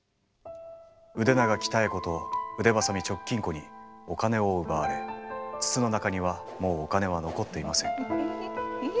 腕長鍛子と腕鋏直近子にお金を奪われ筒の中にはもうお金は残っていません。